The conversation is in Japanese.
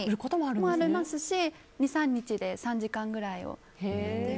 ありますし２３日で３時間ぐらいで